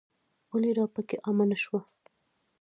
ولې راپکې عامه نه شوه.